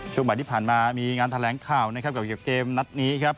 ช่วงบ่ายที่ผ่านมามีงานแถลงข่าวนะครับกับเกมนัดนี้ครับ